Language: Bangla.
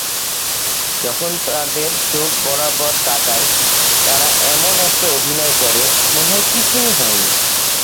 যখন তাদের চোখ বরাবর তাকাই, তারা এমন একটা অভিনয় করে— মনে হয় কিছুই হয়নি।